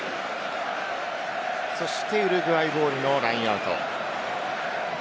そしてウルグアイボールのラインアウト。